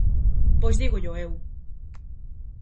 Pois dígollo eu.